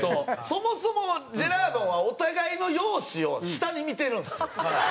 そもそもジェラードンはお互いの容姿を下に見てるんですよ。